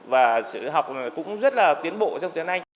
và học cũng rất là tiến bộ trong tiếng anh